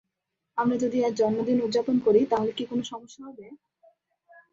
আমরা যদি আজ জন্মদিন উপযাপন করি, তাহলে কি কোন সমস্যা হবে?